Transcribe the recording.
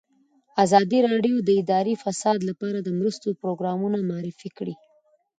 ازادي راډیو د اداري فساد لپاره د مرستو پروګرامونه معرفي کړي.